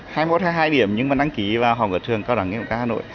hai mốt hay hai điểm nhưng mà đăng ký vào học ở trường cao đẳng nghiệp của hà nội